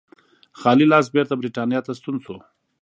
خالي لاس بېرته برېټانیا ته ستون شو.